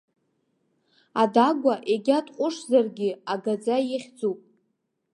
Адагәа егьа дҟәышзаргьы, агаӡа ихьӡуп.